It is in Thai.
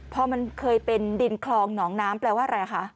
พอมันเคยเป็นดินคลองหนองน้ำแปลว่าอะไรคะ